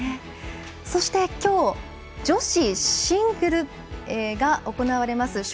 そしてきょう女子シングルが行われます。